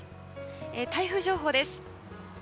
台風情報です。